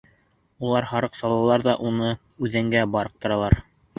Улар һарыҡ салалар ҙа уны үҙәнгә быраҡтыралар.